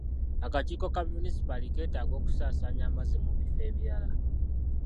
Akakiiko ka munisipaali keetaaga okusaasaanya amazzi mu bifo ebirala.